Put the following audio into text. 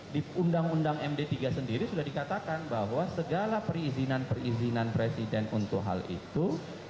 di undang undang md tiga sendiri sudah dikatakan bahwa segala perizinan perizinan presiden untuk hal itu